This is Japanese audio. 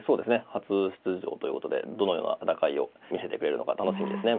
初出場ということでどのような戦いを見せてくれるのか楽しみですね。